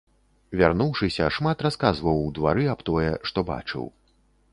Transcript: Вярнуўшыся, шмат расказваў у двары аб тое, што бачыў.